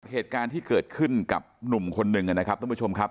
เหตุการณ์ที่เกิดขึ้นกับหนุ่มคนหนึ่งนะครับท่านผู้ชมครับ